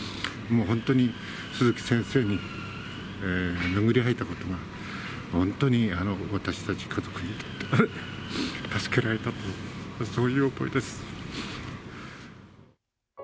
もう本当に鈴木先生に巡り合えたことが、本当に私たち家族にとっては助けられたという、そういう思いです。